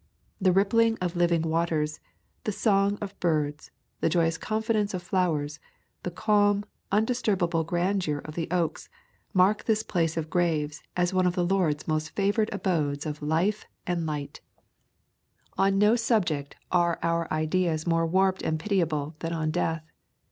The rippling of living waters, the song of birds, the joyous confidence of flowers, the calm, un disturbable grandeur of the oaks, mark this place of graves as one of the Lord's most fa vored abodes of life and light. [ 69 ] A Thousand Mile W alk On no subject are our ideas more warped and pitiable than on death.